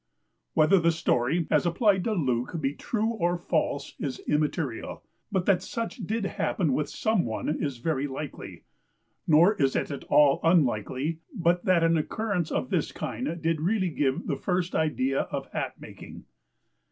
Whether the story, as applied to Luke, be true or false, is immaterial; but that such did happen with some one, is very likely; nor is it at all unlikely, but that an occurrence of this kind did really give the first idea of Hat making.